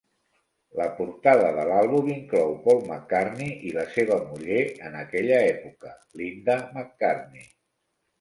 La portada de l'àlbum inclou Paul McCartney i la seva muller en aquella època, Linda McCartney.